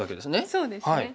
そうですね。